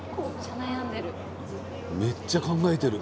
めっちゃ考えてる。